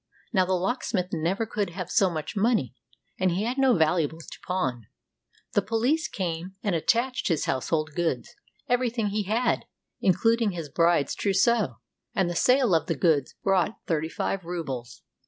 Now the locksmith never could have so much money, and he had no valuables to pawn. The police came and attached his household goods, everything he had, including his bride's trousseau; and the sale of the goods brought thirty five rubles.